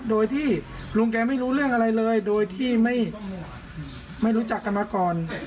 โดยที่ลุงแกไม่รู้เรื่องอะไรเลยโดยที่ไม่รู้จักกันมาก่อน